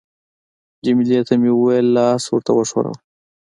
جميله ته مې وویل: لاس ورته وښوروه.